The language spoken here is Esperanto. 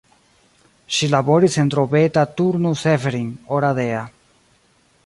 Ŝi laboris en Drobeta-Turnu Severin, Oradea.